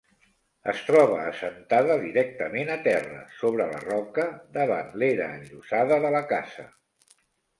Es troba assentada directament a terra, sobre la roca, davant l'era enllosada de la casa.